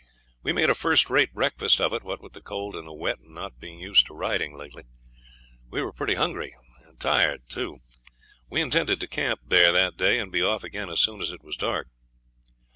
We made a first rate breakfast of it; what with the cold and the wet and not being used to riding lately, we were pretty hungry, and tired too. We intended to camp there that day, and be off again as soon as it was dark.